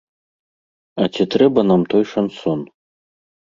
А ці трэба нам той шансон?